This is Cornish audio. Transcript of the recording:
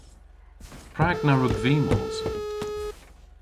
Prag na wrug vy mos?